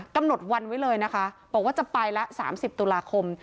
กำหนดวันไว้เลยนะคะบอกว่าจะไปละ๓๐ตุลาคม